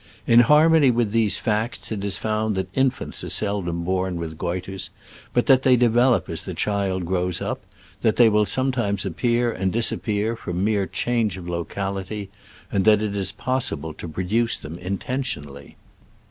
In harmony with these facts it is found that infants are seldom born with goitres, but that they develop as the child grows up, that they will sometimes appear and disappear from mere change of locality, and that it is possible to produce them inten tionally.